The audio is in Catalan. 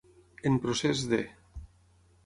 En procés de.